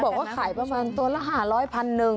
บอกว่าขายประมาณตัวละ๕๐๐พันหนึ่ง